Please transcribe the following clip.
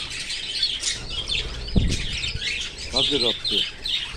Va dziropti?